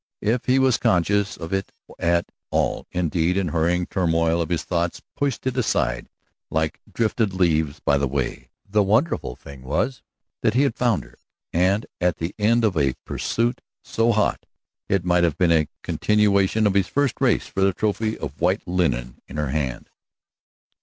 If he was conscious of it at all, indeed, the hurrying turmoil of his thoughts pushed it aside like drifted leaves by the way. The wonderful thing was that he had found her, and at the end of a pursuit so hot it might have been a continuation of his first race for the trophy of white linen in her hand.